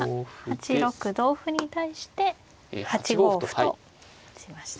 ８六同歩に対して８五歩と打ちましたね。